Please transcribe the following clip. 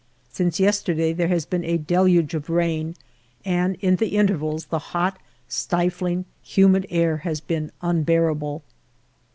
Since yesterday there has been a deluge of rain, and in the intervals the hot, stifling, humid air has been unbearable.